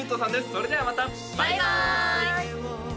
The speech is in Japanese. それではまたバイバーイ！